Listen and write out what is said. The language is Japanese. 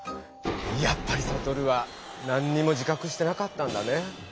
やっぱりサトルはなんにも自かくしてなかったんだね。